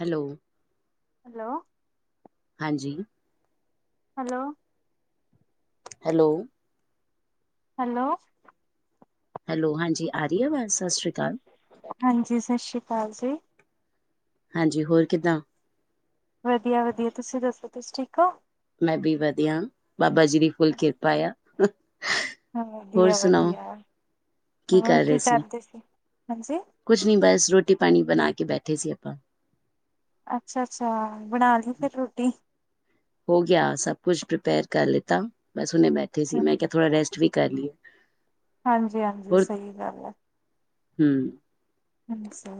Hello. Hello. ਹਾਂਜੀ। Hello. Hello. Hello, hello, ਹਾਂਜੀ ਆਰੀ ਐ ਵਾਜ਼ ਸਸ ਰੀ ਕਾਲ। ਹਾਂਜੀ ਸਤਿ ਸ਼੍ਰੀ ਅਕਾਲ ਜੀ। ਵਧੀਆ -ਵਧੀਆ ਤੁਸੀਂ ਦੱਸੋ ਤੁਸੀ ਠੀਕ ਹੋ। ਮੈਂ ਵੀ ਵਧੀਆ ਬਾਬਾ ਜੀ ਦੀ ਫੁੱਲ ਕਿਰਪਾ ਆ। ਹਾਂ ਹੋਰ ਵਧੀਆ- ਸੁਣਾਓ ਵਧੀਆ। ਕੀ ਕਰ ਰਹੇ ਸੀ, ਹਾਂਜੀ ਕੁਛ ਨਹੀਂ ਬਸ ਰੋਟੀ ਪਾਣੀ ਬਣਾ ਕੇ ਬੈਠੇ। ਠੇ ਸੀ ਆਪਾਂ। ਅੱਛਾ -ਅੱਛਾ ਬਣਾ ਲਈ ਫਿਰ ਰੋਟੀ। ਹੋ ਗਿਆ ਸਭ ਕੁਛ ਪ੍ਰੀਪੇਅਰ ਕਰ ਲਿੱਤਾ ਬਸ ਹੁਨੇ ਬੈਠੇ ਸੀ, ਮੈਂ ਕਿਹਾ ਥੋੜਾ ਰੈਸਟ ਵੀ ਕਰ ਲਈਏ। ਹਾਂਜੀ- ਹਾਂਜੀ ਸਹੀ ਗੱਲ ਹੈ। ਹੂੰ, ਅੱਛਾ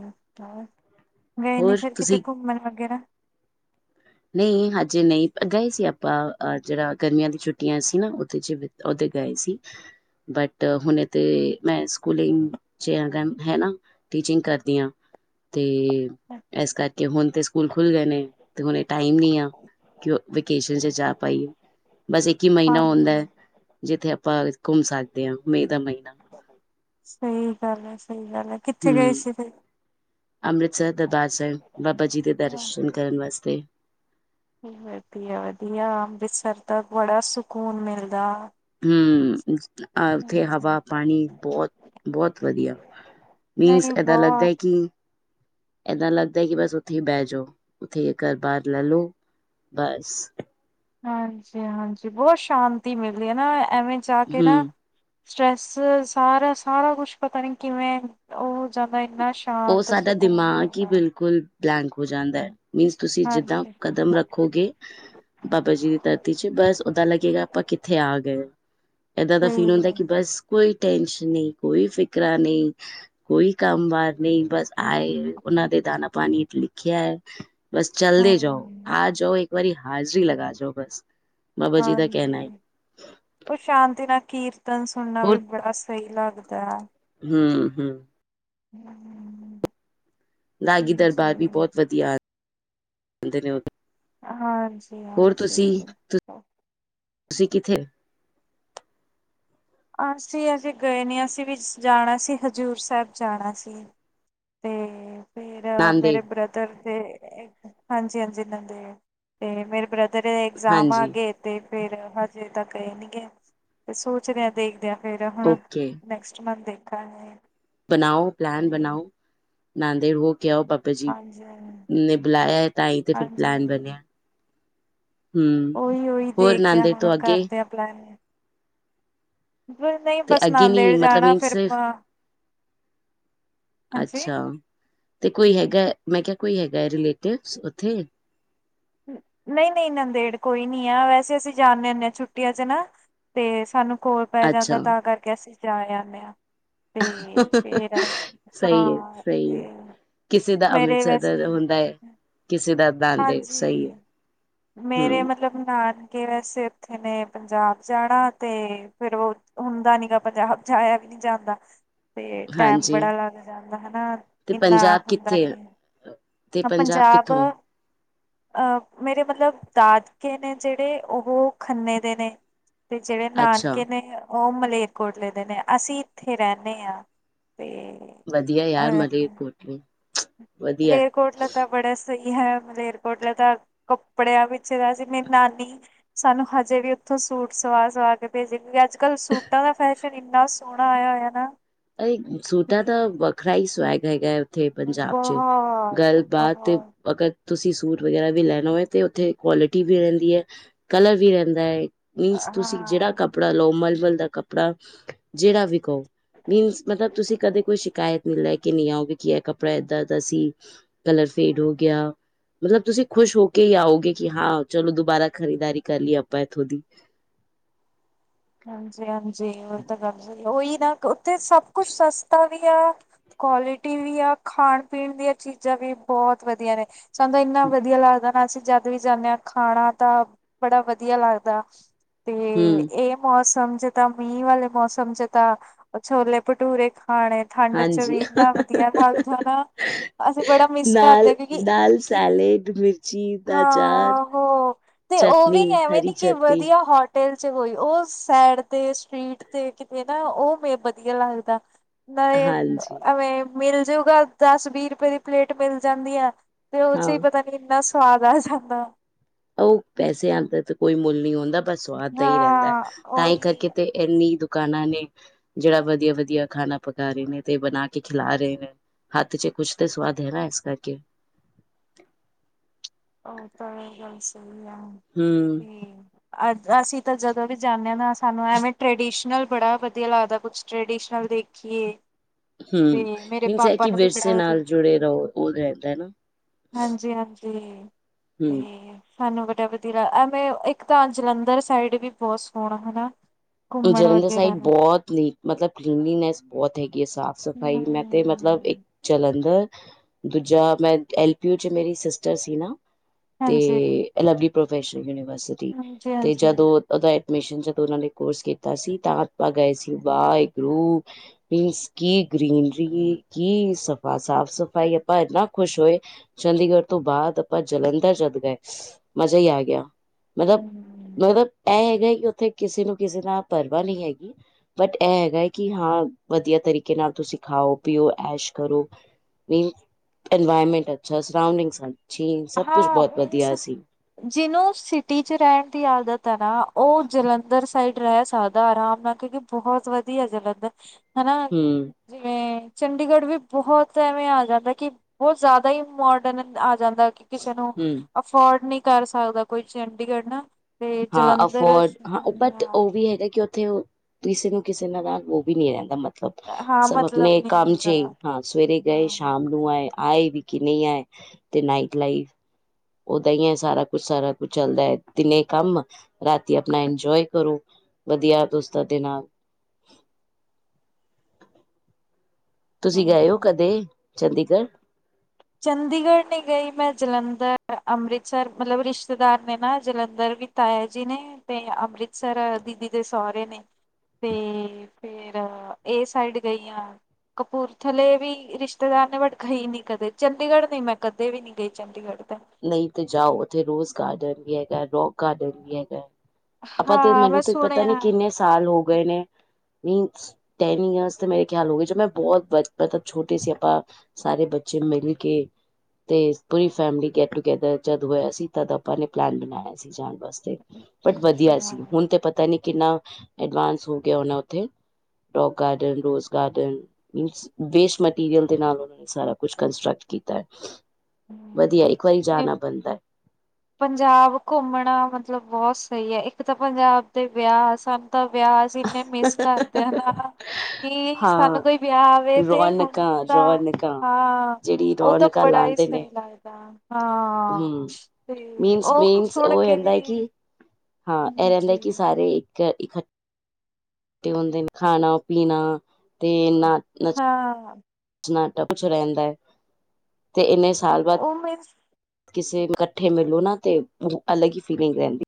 ਉਹ ਗਏ ਨੇ ਹੋਰ ਫਿਰ ਕਿਤੇ ਤੁਸੀਂ ਘੁੰਮਣ ਵਗੈਰਾ। ਨਹੀਂ ਹਜੇ ਨਹੀਂ ਗਏ ਸੀ ਆਪਾਂ ਅ ਜਿਹੜਾ ਗਰਮੀਆਂ ਦੀ ਛੁੱਟੀਆਂ ਸੀ ਨਾ ਉਹਦੇ ਚ ਉਹਦੇ ਗਏ ਸੀ। ਬਟ ਹੁਣੇ ਤੇ ਮੈਂ ਸਕੂਲਿੰਗ ਚ ਹੈ ਨਾ ਟੀਚਿੰਗ ਕਰਦੀ ਹਾਂ। ਤੇ ਇਸ ਕਰਕੇ ਹੁਣ ਤੇ ਸਕੂਲ ਖੁੱਲ ਗਏ ਨੇ ਤੇ ਹੁਣ ਟਾਈਮ ਨਹੀਂ ਆ ਕਿ ਵੈਕੇਸ਼ਨ ਚ ਜਾ ਪਾਈਏ। ਬਸ ਇੱਕ ਹੀ ਮਹੀਨਾ ਹੁੰਦਾ ਹਾਂਜੀ ਹੈ ਜਿੱਥੇ ਆਪਾਂ ਘੁੰਮ ਸਕਦੇ ਹਾਂ ਮਈ ਦਾ ਮਹੀਨਾ। ਸਹੀ ਗੱਲ ਹੈ ਸਹੀ ਗੱਲ ਹੈ, ਕਿੱਥੇ ਗਏ ਹਮ ਸੀ ਤੇ ਅੰਮ੍ਰਿਤਸਰ ਦਰਬਾਰ ਸਾਹਿਬ ਬਾਬਾ ਜੀ ਦੇ ਦਰਸ਼ਨ ਕਰਨ ਵਾਸਤੇ। ਵਧੀਆ -ਵਧੀਆ ਅੰਮ੍ਰਿਤਸਰ ਤਾ ਬੜਾ ਸਕੂਨ ਮਿਲਦਾ। ਹੂੰ, ਅ ਉੱਥੇ ਹਵਾ ਪਾਣੀ ਬਹੁਤ- ਬਹੁਤ ਵਧੀਆ। ਮੀਨਸ ਨਹੀਂ ਏਦਾਂ ਲੱਗਦਾ ਬਹੁਤ ਹੈ ਕਿ ਏਦਾਂ ਲੱਗਦਾ ਕਿ ਬਸ ਉੱਥੇ ਹੀ ਬਹਿ ਜਾਓ ਉੱਥੇ ਘਰ ਬਾਰ ਲੈ ਲੋ। ਬਸ ਹਾਂਜੀ- ਹਾਂਜੀ ਬਹੁਤ ਸ਼ਾਂਤੀ ਮਿਲਦੀ ਹੈ, ਨਾ ਐਵੇਂ ਜਾ ਕੇ ਨਾ ਹੂੰ, ਸਟਰ੍ਰੈੱਸ ਸਾਰਾ- ਸਾਰਾ ਕੁਛ ਪਤਾ ਨੀ ਕਿਵੇਂ ਉਹ ਹੋ ਜਾਂਦਾ। ਇੰਨਾ ਉਹ ਸ਼ਾਂਤ ਸਾਡਾ ਸਕੂਨ ਦਿਮਾਗ ਹੀ ਮਿਲਦਾ ਬਿਲਕੁਲ ਬਲੈਂਕ ਹੋ ਜਾਂਦਾ ਹੈ। ਮੀਨਸ ਤੁਸੀਂ ਜਿੱਦਾਂ ਹਾਂਜੀ। ਕਦਮ ਰੱਖੋਗੇ ਬਾਬਾ ਜੀ ਦੀ ਧਰਤੀ ਚ ਬਸ ਓਦਾਂ ਲੱਗੇਗਾ ਆਪਾਂ ਕਿੱਥੇ ਆ ਗਏ। ਏਦਾਂ ਦਾ ਫੀਲ ਸਹੀ ਹੁੰਦਾ ਹੈ। ਕਿ ਬਸ ਕੋਈ ਟੈਨਸ਼ਨ ਨਹੀਂ ਕੋਈ ਫਿਕਰਾ ਨਹੀਂ ਕੋਈ ਕੰਮ ਬਾਰ ਨਹੀਂ ਬਸ ਆਏ ਉਹਨਾਂ ਦੇ ਦਾਨਾ ਪਾਣੀ ਚ ਲਿਖਿਆ ਹੈ। ਬਸ ਚਲਦੇ ਜਾਓ ਹਮ ਆ ਜਾਓ ਇੱਕ ਵਾਰੀ ਹਾਜ਼ਰੀ ਲਗਾ ਜਾਓ ਬਸ। ਬਾਬਾ ਜੀ ਦਾ ਕਹਿਣਾ ਹਾਂਜੀ ਹੈ ਕੁ ਸ਼ਾਂਤੀ ਨਾਲ ਕੀਰਤਨ ਸੁਣਨਾ ਹੋਰ ਵੀ ਬੜਾ ਸਹੀ ਲੱਗਦਾ ਹੈ। ਹੂ ਹਮ ਹਮ ਹਮ ਰਾਗੀ ਦਰਬਾਰ ਵੀ ਬਹੁਤ ਵਧੀਆ ਹਨ ਹਾਂਜੀ ਹਾਂਜੀ ਬਿਲਕੁਲ ਤੁਸੀਂ ਕਿੱਥੇ ਅਸੀਂ ਅਜੇ ਗਏ ਨੀ ਅਸੀਂ ਵੀ ਜਾਣਾ ਸੀ, ਹਜ਼ੂਰ ਸਾਹਿਬ ਜਾਣਾ ਸੀ। ਤੇ ਫਿਰ ਨਾਂਦੇੜ ਮੇਰੇ ਬ੍ਰਦਰ ਦੇ ਹਾਂਜੀ- ਹਾਂਜੀ ਇਹਨਾਂ ਦੇ ਤੇ ਮੇਰੇ ਬ੍ਰਦਰ ਇਧਰ ਇਗਜ਼ਾਮ ਆ ਹਾਂਜੀ। ਗਏ ਤੇ ਫੇਰ ਹਜੇ ਤੱਕ ਇਹ ਨੀ ਗਏ ਤੇ ਸੋਚਦਿਆਂ ਦੇਖਦਿਆਂ ਫੇਰ ਹੁਣ ਨੈਕਸਟ ਮੰਥ ਦੇਖਾਂਗੇ। ਬਣਾਓ ਤੇ ਪਲੈਨ ਬਣਾਓ ਬਣਾਂਦੇ ਰਹੋ। ਕਿਹਾ ਉਹ ਬਾਬਾ ਜੀ ਹਾਂਜੀ-ਹਾਂਜੀ-ਹਾਂਜੀ ਨੇ ਬੁਲਾਇਆ ਤਾਂ ਹੀ ਤੇ ਫਿਰ ਪਲੈਨ ਬਣਿਆ। ਹੂੰ, ਔਹੀ ਔਹੀ ਹੋਰ ਦੇਖਦੇ ਆਂ, ਨਾਂਦੇੜ ਤੋਂ ਹੁਣ ਅੱਗੇ ਕਰਦੇ ਆਂ ਪਲੈਨਿੰਗ ਨਹੀਂ ਤੇ ਬਸ ਅੱਗੇ ਨੀ ਨਾਂਦੇੜ ਮਤਲਬ ਜਾਣਾ, ਮੀਨ ਫਿਰ ਸਿਰਫ ਆਪਾਂ ਅੱਛਾ। ਤੇ ਕੋਈ ਹੈਗਾ, ਮੈਂ ਕਿਹਾ ਕੋਈ ਹੈਗਾ, ਰਲੇਟਿਵਸ ਔਥੇ? ਨਹੀਂ ਨਹੀਂ ਨੰਦੇੜ ਕੋਈ ਨਹੀਂ ਆ, ਵੈਸੇ ਅਸੀਂ ਜਾਂਦੇ ਹੁੰਦੇ ਹਾਂ ਛੁੱਟੀਆਂ ਚ ਨਾ ਤੇ ਸਾਨੂੰ ਕੋਲ ਪੈ ਜਾਂਦਾ, ਅੱਛਾ। ਤਾਂ ਕਰਕੇ ਅਸੀਂ ਜਾ ਜਾਂਦੇ ਹਾਂ। ਸਹੀ ਹੈ ਹਾਂ ਸਹੀ ਤੇ ਹੈ। ਕਿਸੇ ਦਾ ਮੇਰੇ ਵੈਸੇ ਅੰਮ੍ਰਿਤਸਰ ਹੁੰਦਾ ਹੈ, ਕਿਸੇ ਦਾ ਨਾਂਦੇੜ ਸਹੀ ਹੈ, ਹਾਂਜੀ ਮੇਰੇ ਹੂੰ ਮਤਲਬ ਨਾ ਜਾਣ ਕੇ ਵੈਸੇ ਉੱਥੇ ਨੇ ਪੰਜਾਬ ਜਾਣਾ, ਤੇ ਫੇਰ ਉਹ ਹੁੰਦਾ ਨੀ ਗਾ ਪੰਜਾਬ ਜਾ ਪਾਇਆ ਵੀ ਨਹੀਂ ਜਾਂਦਾ ਤੇ ਟੈਮ ਹਾਂਜੀ ਬੜਾ ਲੱਗ ਜਾਂਦਾ ਹੈਨਾ, ਤੇ ਇਨਾ ਪੰਜਾਬ ਹੁੰਦਾ ਕਿੱਥੇ ਹੈ? ਨੀ। ਤੇ ਪੰਜਾਬ ਕਿੱਥੋਂ? ਅਹ ਮੇਰੇ ਮਤਲਬ ਦਾਦਕੇ ਨੇ ਜਿਹੜੇ, ਉਹ ਖੰਨੇ ਦੇ ਨੇ ਤੇ ਜਿਹੜੇ ਅੱਛਾ, ਨਾਨਕੇ ਨੇ ਉਹ ਮਲੇਰਕੋਟਲੇ ਦੇ ਨੇ, ਅਸੀਂ ਇੱਥੇ ਰਹਿੰਦੇ ਹਾਂ। ਤੇ ਵਧੀਆ ਯਾਰ ਅ ਫ ਮਲੇਰਕੋਟਲੇ ਵਧੀਆ। ਮਲੇਰਕੋੋਟਲਾ ਤਾਂ ਬੜਾ ਸਹੀ ਹੈ, ਮਲੇਰਕੋਟਲਾ ਤਾਂ ਕੱਪੜਿਆਂ ਪਿੱਛੇ ਤਾਂ, ਹਜੇ ਵੀ ਮੇਰੀ ਨਾਨੀ, ਸਾਨੂੰ ਹਜੇ ਵੀ ਉੱਥੋਂ ਸੂਟ ਸਵਾ ਸਵਾ ਕੇ ਭੇਜਦੀ, ਕਿਉਂਕਿ ਅੱਜ ਕੱਲ੍ਹ ਸੂਟਾਂ ਦਾ ਫੈਸ਼ਨ ਇੰਨਾ ਸੋਹਣਾ ਆਇਆ ਹੋਇਆ ਨਾ। ਅ ਸੂਟਾ ਤਾਂ ਵੱਖਰਾ ਹੀ ਸਵੈਗ ਹੈਗਾ ਹੈ। ਤੇ ਹੂੰ ਪੰਜਾਬ ਚ ਬਹੁਤ ਗੱਲਬਾਤ ਬਹੁਤ ਅਗਰ ਤੁਸੀਂ ਸੂਟ ਵਗੈਰਾ ਵੀ ਲੈਣਾ ਹੋਏ, ਤੇ ਉੱਥੇ ਕੁਆਲਿਟੀ ਵੀ ਰਹਿੰਦੀ ਹੈ, ਕਲਰ ਵੀ ਰਹਿੰਦਾ ਹੈ ਮੀਨਸ ਤੁਸੀਂ ਹਾਂ ਜਿਹੜਾ ਕੱਪੜਾ ਲੋ, ਮਲਮਲ ਦਾ ਕੱਪੜਾ ਜਿਹੜਾ ਵਿਖੋ ਮੀਨ ਮਤਲਬ ਤੁਸੀਂ ਕਦੇ ਕੋਈ ਸ਼ਿਕਾਇਤ ਨਹੀਂ ਲੈ ਕੇ ਨਹੀਂ ਆਓਗੇ, ਕੀ ਕੱਪੜਾ ਇਏਦਾਂਸੀਂ ਕਲਰਫ ਫੇਡ ਹੋ ਗਿਆ। ਮਤਲਬ ਤੁਸੀਂ ਖੁਸ਼ ਹੋ ਕੇ ਹੀ ਆਓਗੇ, ਕਿ ਹਾਂ ਚਲੋ ਦੁਬਾਰਾ ਖਰੀਦਦਾਰੀ ਕਰ ਲਈਏ ਆਪਾਂ ਇੱਥੋਂ ਦੀ। ਹਾਂਜੀ ਹਾਂਜੀ ਹੋਰ ਤਾਂ ਗੱਲ ਸਹੀ। ਔਹੀ ਨਾ, ਉੱਥੇ ਸਭ ਕੁਛ ਸਸਤਾ ਵੀ ਆ ਕੁਆਲਿਟੀ ਵੀ ਆ ਖਾਣ ਪੀਣ ਦੀਆਂ ਚੀਜ਼ਾਂ ਵੀ ਬਹੁਤ ਵਧੀਆ ਨੇ। ਸਾਨੂੰ ਇੰਨਾ ਵਧੀਆ ਲੱਗਦਾ ਨਾ ਅਸੀਂ ਜਦ ਵੀ ਜਾਂਦੇ ਹਾਂ ਖਾਣਾ ਤਾਂ ਬੜਾ ਵਧੀਆ ਲੱਗਦਾ। ਤੇ ਹੂੰ, ਇਹ ਮੌਸਮ ਚ ਤਾਂ, ਮੀਂਹ ਵਾਲੇ ਮੌਸਮ ਚ ਤਾਂ, ਛੋਲੇ ਭਠੂਰੇ ਖਾਣੇ ਠੰਡ ਚ ਹਾਂਜੀ ਵੀ ਇੰਨਾ ਵਧੀਆ ਥਾਨਾ, ਅਸੀਂ ਬੜਾ ਮਿਸ ਕਰਦੇ ਨਾਲ ਹਾਂ ਕਿਉਂਕਿ ਨਾਲ ਸੈਲੇਡ, ਮਿਰਚੀ ਦਾ ਅਚਾਰ, ਹਾਂ ਹੋ ਚਟਨੀ ਹਰੀ ਚਟਨੀ ਪਟੇਲ ਚ ਹੋਈ, ਉਹ ਸੈਡ ਤੇ ਸਟ੍ਰਰੀਟ ਤੇ ਕਿਤੇ ਨਾ ਉਹ ਮੇ ਵਧੀਆ ਲੱਗਦਾ। ਨਹੀ, ਹਾਂਜੀ। ਐਵੇਂ ਮਿਲ ਜੂਗਾ ਦਸ ਵੀਹ ਰੁਪਏ ਦੀ ਪਲੇਟ ਮਿਲ ਜਾਂਦੀ ਹੈ। ਤੇ ਉਹ ਚ ਹਾਂ, ਹੀ ਪਤਾ ਨੀ ਇੰਨਾ ਸਵਾਦ ਆ ਜਾਂਦਾ। ਉਹ-ਉਹ, ਪੈਸੇਆ ਦਾ ਤੇ ਕੋਈ ਮੁੱਲ ਨਹੀਂ ਆਉਂਦਾ। ਸਵਾਦ ਦਾ ਹੀ ਰਹਿੰਦਾ ਹੈ ਹਾਂ ਤਾਂ ਹੀ ਉਹੀ ਕਰਕੇ ਤੇ ਇੰਨੀ ਦੁ ਖਾਣਾ ਨੇ, ਜਿਹੜਾ ਵਧੀਆ-ਵਧੀਆ ਖਾਣਾ ਪਕਾ ਰਹੇ ਨੇ ਤੇ ਬਣਾ ਕੇ ਖਿਲਾ ਰਹੇ ਨੇ। ਹੱਥ ਚ ਕੁਛ ਤਾਂ ਸਵਾਦ ਹੈ ਨਾ ਇਸ ਕਰਕੇ। [inaudible] ਹੁਣ ਤਾਂ ਏ ਗੱਲ ਸਹੀ ਆ, ਹੂੰ, ਤੇ ਅ ਅਸੀਂ ਤਾਂ ਜਦੋਂ ਵੀ ਜਾਂਨੇ ਆਂ ਨਾ, ਸਾਨੂੰ ਐਵੇਂ ਟ੍ਰਡੀਸ਼ਨਲ ਬੜਾ ਵਧੀਆ ਲੱਗਦਾ ਕੁਛ ਟ੍ਰਡੀਸ਼ਨਲ ਦੇਖੀਏ। ਹੂ, ਤੇ ਮੇਰੇ ਮੀਨਸ ਹੈ ਪਾਪਾ ਕਿ ਨੂੰ ਵੀ ਵਿਰਸੇ ਬੜਾ ਵਧੀਆ ਨਾਲ ਜੁੜੇ ਰਹੋ ਉਹ ਰਹਿੰਦਾ ਹੈ। ਹਾਂਜੀ ਹਾਂਜੀ, ਹੂੰ। ਤੇ ਸਾਨੂੰ ਵਡਾ ਵਧੀਆ, ਐਵੇਂ ਇੱਕ ਤਾਂ ਜਲੰਧਰ ਸਾਈਡ ਵੀ ਬਹੁਤ ਸੋਹਣਾ ਹੈਨਾ। ਜਲੰਧਰ ਸਾਈਡ ਬਹੁਤ ਨੀਟ ਮਤਲਬ ਕਲੀਨਲੀਨੈਸ ਬਹੁਤ ਕੀ ਹੈ ਸਾਫ਼ ਸਫ਼ਾਈ, ਮੈਂ ਤੇ ਮਤਲਬ ਇੱਕ ਹੂੰ ਜਲੰਧਰ ਦੂਜਾ ਮੈਂ ਐਲਪੀੂ ਚ ਮੇਰੀ ਸਿਸਟਰ ਸੀ ਨਾ, ਹਾਂਜੀ, ਤੇ ਅਲਵ ਪ੍ਰੋਫੈਲ ਯੂਨੀਵਰਸਿਟੀ ਹਾਂਜੀ, ਤੇ ਹਾਂਜੀ। ਜਦੋਂਓਦਾ ਐਡਮਿਸ਼ਨ ਜਦੋਂ ਉਹ ਨੇ ਕੋਰਸ ਕੀਤਾ ਸੀ ਤਾਂ ਆਪਾਂ ਗਏ ਸੀ ਵਾਹਿਗੁਰੂ ਗਰੂ ਮੀਨਸ ਕੀ ਗ੍ਰੀਨਰੀ ਕੀ ਸਫ਼ਾ- ਸਾਫ਼- ਸਫ਼ਾਈ ਆਪਾਂ ਇੰਨਾ ਖੁਸ਼ ਹੋਏ, ਚੰਡੀਗੜ੍ਹ ਤੋਂ ਬਾਅਦ ਆਪਾਂ ਜਲੰਧਰ ਜਦ ਗਏ ਮਜ਼ਾ ਹੀ ਆ ਗਿਆ ਮਤਲਬ- ਹੂੰ ਮਤਲਬ ਇਹ ਹੈਗਾ ਕਿ ਉੱਥੇ ਕਿਸੇ ਨੂੰ ਕਿਸੇ ਨਾਲ ਪਰਵਾ ਨਹੀਂ ਹੈਗੀ ਬਟ ਇਹ ਹੈਗਾ ਹੈ ਕਿ ਹਾਂ ਵਧੀਆ ਤਰੀਕੇ ਨਾਲ ਤੁਸੀਂ ਖਾਓ-ਪੀਓ। ਐਸ਼ ਕਰੋ ਇਨ ਇਨਵਾਇਰਮੈਂਟ ਅੱਛਾ ਸਾਵਨਿੰਗ ਸਨ। ਹਾਂ, ਮੀਨਸ ਜਿਹਨੂੰ ਸਿਟੀ ਚ ਰਹਿਣ ਦੀ ਆਦਤ ਤ ਨਾ ਉਹ ਜਲੰਧਰ ਸਾਈਡ ਰਹਿ ਸਦਾ ਆਰਾਮ ਨਾਲ ਕਿਉਂਕਿ ਬਹੁਤ ਵਧੀਆ ਜਲੰਧਰ ਹੈਨਾ ਹੂੰ, ਜਿਵੇਂ ਚੰਡੀਗੜ੍ਹ ਵੀ ਬਹੁਤ ਐਵੇਂ ਆ ਜਾਂਦਾ ਕਿ ਬਹੁਤ ਜ਼ਿਆਦਾ ਹੀ ਮੋਡਰਨ ਆ ਜਾਂਦਾ ਕਿ ਕਿਸੇ ਨੂੰ ਹੂੰ, ਅਫੋਰਡ ਨਹੀਂ ਕਰ ਸਕਦਾ ਕੋਈ ਚੰਡੀਗੜ੍ਹ ਨਾ। ਤੇ ਹਾਂ, ਜਲੰਧਰ ਅਫੋਰਡ ਹਾਂ ਬਟ ਉਹ ਵੀ ਹੈਗਾ ਕਿ ਉੱਥੇ ਕਿਸੇ ਨੂੰ ਕਿਸੇ ਨਾਲ ਨਾਲ ਉਹ ਵੀ ਨੀ ਰਹਿੰਦਾ ਮਤਲ ਹਾਂ ਸ ਸਭ ਮਤਲਬ ਆਪਣੇ ਨਹੀਂ ਕਮ ਹੁੰਦਾ ਚੇ ਹਾਂ ਸਵੇਰੇ ਗਏ ਹਾਂ ਸ਼ਾਮ ਨੂੰ ਆਏ। ਆਏ ਵੀ ਕਿ ਨਹੀਂ ਆਏ ਤੇ ਨਾਈਟ ਲਾਈਫ ਓਦਾਂ ਹੀ ਹੈ, ਸਾਰਾ ਕੁਛ-ਸਾਰਾ ਕੁਛ ਚੱਲਦਾ ਹੈ ਦਿਨੇ ਕੰਮ ਰਾਤੀ ਆਪਣਾ ਇੰਜੋਏ ਕਰੋ। ਵਧੀਆ ਦੋਸਤ ਦੇ ਨਾਲ [unintelligible] [inaudible] ਤੁਸੀਂ ਗਏ ਹਾਂਜੀ- ਹੋ ਕਦੇ ਚੰਡੀਗੜ੍ਹ ਹਾਂਜੀ, ਚੰਡੀਗੜ੍ਹ ਨਹੀਂ ਗਈ ਮੈਂ ਜਲੰਧਰ, ਅੰਮ੍ਰਿਤਸਰ ਮਤਲਬ ਰਿਸ਼ਤੇਦਾਰ ਨੇ ਨਾ, ਜਲੰਧਰ ਵੀ ਤਾਇਆ ਜੀ ਨੇ ਤੇ ਅ ਅੰਮ੍ਰਿਤਸਰ ਦੀਦੀ ਦੇ ਸਹੁਰੇ ਨੇ। ਤੇ ਫੇਿਰ ਇਹ ਸਾਈਡ ਗਈ ਹਾ। ਕਪੂਰਥਲੇ ਵੀ ਰਿਸ਼ਤੇਦਾਰ ਨੇ ਬਟ ਗਈ ਨੀ ਕਦੇ ਚੰਡੀਗੜ੍ਹ ਨਹੀਂ ਮੈਂ ਕਦੇ ਵੀ ਨਹੀਂ ਗਈ ਚੰਡੀਗੜ੍ਹ। ਤਾਂ ਨਹੀਂ ਤੇ ਜਾਓ, ਉੱਥੇ ਰੋਜ਼ ਗਾਰਡਨ ਵੀ ਹੈਗਾ ਰੋਕ ਗਾਰਡਨ ਵੀ ਹੈਗਾ। ਆਪਾਂ ਤੇ ਹਾਂ ਮੈਂ ਮੈਨੂੰ ਤੇ ਪਤਾ ਨੀ ਸੁਣਿਆ ਕਿੰਨੇ ਸਾਲ ਹੋ ਗਏ ਨੇ। ਨਹੀਂ, ਟੈਨ ਈਅਰਸ ਤੇ ਮੇਰੇ ਖਿਆਲ ਹੋ ਗਏ ਜ ਮੈਂ ਬਹੁਤ ਮਤਲਬ ਛੋਟੇ ਸੀ ਆਪਾਂ ਸਾਰੇ ਬੱਚ ਬੱਚੇ ਮਿਲ ਕੇ ਤੇ ਪੂਰੀ ਫੈਮਲੀ ਗੈੱਟ- ਟੂਗੇੈਦਰ ਜਦ ਹੋਇਆ ਸੀ ਤਦ ਆਪਾਂ ਨੇ ਪਲੈਨ ਬਣਾਇਆ ਸੀ ਜਾਣ ਵਾਸਤੇ। ਬਟ ਵਧੀਆ ਅੱਛਾ ਸੀ ਹੁਣ ਤੇ ਪਤਾ ਨੀ ਕਿੰਨਾ ਐਡਵਾਂਸ ਹੋ ਗਿਆ ਹੋਣਾ ਉੱਥੇ। ਰੋਕ ਗਾਰਡਨ, ਰੋਜ਼ ਗਾਰਡ ਮਿਨਸ ਵੇਸਟ ਮਟੀਰੀਅਲ ਦੇ ਨਾਲ ਓਨਾ ਨੇ ਸਾਰਾ ਕੰਸਟਰਕਢ ਕੀਤਾ ਹੈ, ਵਧੀਆ ਹੂੰ ਇੱਕ ਵਾਰੀ ਇਹ ਜਾਣਾ ਬਣਦਾ ਹੈ। ਪੰਜਾਬ ਘੁੰਮਣਾ ਮਤਲਬ ਬਹੁਤ ਸਹੀ ਹੈ ਇੱਕ ਤਾਂ ਪੰਜਾਬ ਦੇ ਵਿਆਹ ਸਾਨੂੰ ਤਾਂ ਵਿਆਜ ਇੰਨੇ ਹੈ। ਮਿਸ ਕਰਦੇ ਹਾ ਨਾ। ਕਿ ਸਾਨੂੰ ਹਾਂ ਕੋਈ ਵਿਆਹ ਆਵੇ ਤੇ ਹੁਣ ਰੌਣਕਾਂ ਤਾਂ ਰੌਣਕਾਂ ਹਾਂ ਜਿਹੜੀ ਉਹ ਤਾਂ ਰੌਣਕਾਂ ਬੜਾ, ਲਾਉਂਦੇ ਪਈਸਲ ਨੇ ਇਹਦਾ ਹਾਂ, ਹਮ ਤੇ ਮੀਨਸ ਉਹ ਮੀਨਸ ਸੁਣ ਕੇ ਹੁੰਦਾ ਹੈ ਵੀ, ਕਿ ਹਾਂ ਇਹ ਰਹਿੰਦਾ ਜੀ ਕਿ ਸਾਰੇ ਇੱਕ ਇਕ ਹੁੰਦੇ ਨੇ ਖਾਣਾ ਪੀਣਾ ਤੇ ਨ ਨੱਚ ਹਾਂ ਟਾ ਕੁਛ ਰਹਿੰਦਾ ਹੈ ਤੇ ਇੰਨੇ ਸਾਲ ਬਾਅਦ, ਉਹ ਮੀਨਸ ਕਿਸੇ ਇਕੱਠੇ ਮਿਲੋ ਨਾ ਤੇ ਅਲੱਗ ਹੀ ਫੀਲਿੰਗ ਰਹਿੰਦੀ।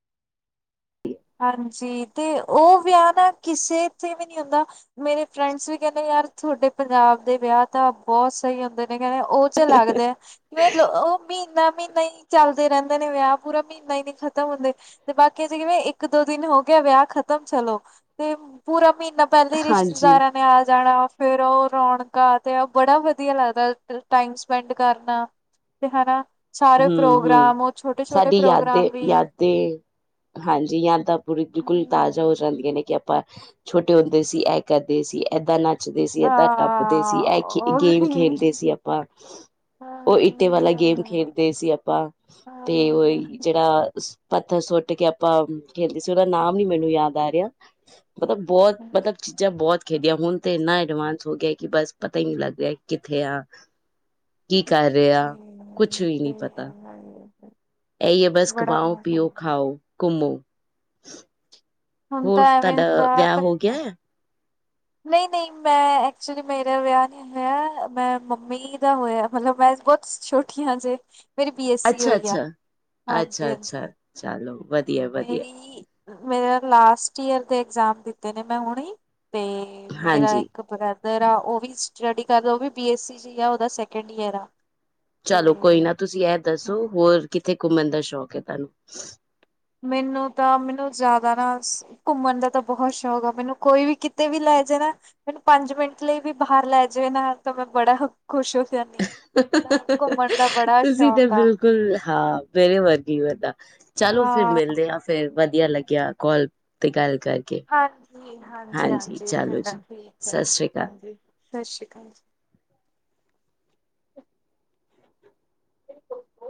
ਹੈ। ਹਾਂਜੀ ਤੇ ਉਹ ਵਿਆਹ ਨਾ ਕਿਸੇ ਤੇ ਵੀ ਨੀ ਹੁੰਦਾ ਮੇਰੇ ਫਰੈਂਡਸ ਵੀ ਕਹਿੰਦੇ। ਯਾਰ ਤੁਹਾਡੇ ਪੰਜਾਬ ਦੇ ਵਿਆਹ ਤਾਂ ਬਹੁਤ ਸਹੀ ਹੁੰਦੇ ਨੇ। ਕਹਿ ਉਹ ਚ ਲੱਗਦਾ ਆ ਕਿਵੇਂ ਉਹ ਮਹੀਨਾ ਮਹੀਨਾ ਹੀ ਚੱਲਦੇ ਰਹਿੰਦੇ ਨੇ ਵਿਆਹ ਪੂਰਾ ਮਹੀਨਾ ਹੀ ਨਹੀਂ ਖਤਮ ਹੁੰਦੇ ਤੇ ਬਾਕੀ ਅਸੀਂ ਕਿਵੇਂ ਇੱਕ ਇੱਕ ਦੋ ਦਿਨ ਹੋ ਗਿਆ ਵਿਆਹ ਖਤਮ ਚਲੋ ਤੇ ਪੂਰਾ ਮਹੀਨਾ ਪਹਿਲਾਂ ਹੀ ਹਾਂਜੀ ਰਿਸ਼ਤੇਦਾਰਾਂ ਨੇ ਆ ਜਾਣਾ ਵਾ। ਫੇਿਰ ਉਹ ਰੌਣਕਾਂ ਤੇ ਆ ਬੜਾ ਵਧੀਆ ਲੱਗਦਾ ਟਾਈਮ ਸਪੈਂਡ ਕਰਨਾ। ਤੇ ਹੈਨਾ, ਸਾਰੇ ਹਮ ਹਮ ਪ੍ਰੋਗਰਾਮ ਉਹ ਛੋਟੇ-ਛੋਟੇ ਸਾਡੀ ਪ੍ਰੋਗਰਾਮ ਯਾਦੇ ਵੀ ਜ ਯਾਦਾਂ ਪੂਰੀ ਬਿਲਕੁਲ ਤਾਜ਼ਾ ਹੂੰ। ਹੋ ਜਾਂਦੀਆਂ ਨੇ। ਆਪਾਂ ਛੋਟੇ ਹੁੰਦੇ ਸੀ ਇਹ ਕਰਦੇ ਸੀ ਇਏਦਾਂ ਨਾਚ ਨਚਦੇ ਸੀ ਇਦਾ, ਆਪਾਂ ਟੱਪਦੇ ਸੀ ਐਹ ਗੇਮ ਖੇਡਦੇ ਸੀ ਆਪਾਂ। ਉਹ ਇਟੇ ਵਾਲਾ ਗੇਮ ਖੇਡਦੇ ਸੀ ਆਪਾਂ ਤੇ ਉਹੀ ਜਿਹੜਾ ਪੱਥਰ ਸੁੱਟ ਕੇ ਆਪਾਂ ਖੇਡਦੇ ਸੀ ਉਹਦਾ ਨਾਮ ਨੀ ਮੈਨੂੰ ਯਾਦ ਆ ਰਿਆ। ਮਤਲਬ ਬਹੁਤ ਮਤਲਬ ਚੀਜਾਂ ਬਹੁਤ ਖੇਡਿਆ ਹੁਣ ਤੇ ਇੰਨਾ ਐਡਵਾਂਸ ਹੋ ਗਿਆ ਕਿ ਬਸ ਪਤਾ ਹੀ ਨਹੀਂ ਲੱਗ ਰਿਹਾ ਕਿੱਥੇ ਆ ਕੀ ਕਰ ਰਿਹਾ ਕੁਛ ਵੀ ਨੀ ਇਹ ਇਹੀ ਐ ਬਸ ਬੜਾ ਕਮਾਓ ਮਜ਼ਾ ਪੀਓ ਖਾਓ। ਘੁੰਮੋ, ਹੁੰਦਾ ਹੋਰ ਐਵੇਂ ਤੁਹਾਡਾ ਹੁੰਦਾ ਵਿਆਹ ਹੋ ਗਿਆ ਹੈ ਨਈਂ-ਨਈਂ ਮੈਂ ਐਕਚੁਲੀ ਮੇਰਾ ਵਿਆਹ ਨਹੀਂ ਹੋਇਆ ਮੈਂ ਮੰਮੀ ਦਾ ਹੋਇਆ ਮਤਲਬ ਮੈਂ ਬਹੁਤ ਛੋਟੀ ਹਾਂ ਅਜੇ। ਅੱਛਾ-ਅੱਛਾ-ਅੱਛਾ-ਅੱਛਾ ਹਾਂਜੀ ਚਾਲੋ ਵਧੀਆ-ਵਧੀਆ। ਮੇਰੀ ਮੇਰਾ ਲਾਸਟ ਈਅਰ ਦੇ ਇਗਜ਼ਾਮ ਦਿੱਤੇ ਨੇ ਮੈਂ ਹੁਣੇ ਈ। ਤੇ ਮੇਰਾ ਹਾਂਜੀ ਇੱਕ ਬ੍ਰਦ ਬ੍ਰਦਰ ਆ ਉਹ ਵੀ ਸਟੱਡੀ ਕਰਦਾ ਉਹ ਵੀ ਬੀ ਐਸ ਸੀ ਚ ਆ ਉਹਦਾ ਸੈਕਿੰਡ ਈਅਰ ਆ। ਚਲੋ ਕੋਈ ਨਾ ਤੇ ਤੁਸੀਂ ਐਹ ਦੱਸੋ ਹੋਰ ਕਿੱਥੇ ਘੁੰਮਣ ਦਾ ਸ਼ੌਕ ਹੈ ਤੁਹਾਨੂੰ? ਮੈਨੂੰ ਤਾਂ ਮੈਨੂੰ ਜਿਆਦਾ ਨਾ ਘੁੰਮਣ ਦਾ ਤਾਂ ਬਹੁਤ ਸ਼ੌਕ ਆ ਮੈਨੂੰ ਕੋਈ ਵੀ ਕਿਤੇ ਵੀ ਲੈ ਲੈ ਜੇ ਨਾ ਮੇਨੂੰ ਪੰਜ ਮਿੰਟ ਲਈ ਵੀ ਬਾਹਰ ਲੈ ਜਵੇ ਨਾਂ ਤਾਂ ਮੈਂ ਬੜਾ ਖੁਸ਼ ਹੋ ਕੇ ਘੁੰਮਣ ਦਾ ਬੜਾ ਤੁਸੀਂ ਤੇ ਸ਼ੌਕ ਆ। ਬਿਲਕੁਲ ਹਾਂ ਮੇਰੇ ਵਰਗੀ ਵਦਾ ਚਾਲੋ ਫਿਰ ਹਾਂ ਮਿਲਦੇ ਆ ਫਿਰ ਵਧੀਆ ਲੱਗਿਆ ਕੌਲ ਤੇ ਗੱਲ, ਕਰਕੇ ਹਾਂਜੀ ਹਾਂਜੀ-ਹਾਂਜੀ-ਹਾਂਜੀ, ਚਲੋ ਚੰਗਾ ਜੀ ਠੀਕ ਐ ਸਤਿ ਸ੍ਰੀ ਅਕਾਲ ਹਾਂਜੀ ਸ਼੍ਰੀ ਕਾਲ ਜੀ, ਜੀ।